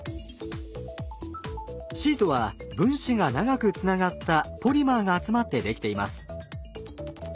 シートは分子が長くつながったポリマーが集まってできています。